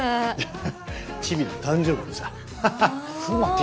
ハハッチビの誕生日でさ。